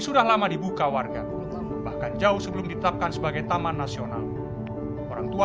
sudah lama dibuka warga bahkan jauh sebelum ditetapkan sebagai taman nasional orang tua